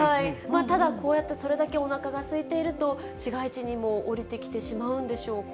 ただ、こうやって、それだけおなかがすいていると、市街地にも下りてきてしまうんでしょうか。